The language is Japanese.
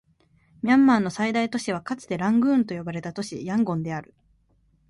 ミャンマーの最大都市はかつてラングーンと呼ばれた都市、ヤンゴンである